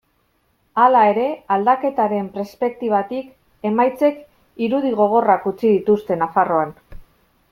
Hala ere, aldaketaren perspektibatik, emaitzek irudi gogorrak utzi dituzte Nafarroan.